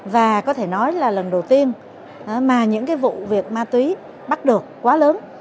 và có thể nói là lần đầu tiên mà những cái vụ việc ma túy bắt được quá lớn